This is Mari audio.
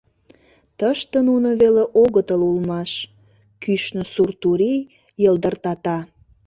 Тыште нуно веле огытыл улмаш — кӱшнӧ сур турий йылдыртата.